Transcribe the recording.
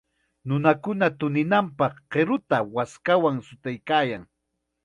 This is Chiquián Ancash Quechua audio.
Nunakuna tuninanpaq qiruta waskawan chutaykaayan.